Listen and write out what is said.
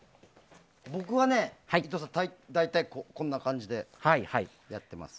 僕はね大体こんな感じでやってます。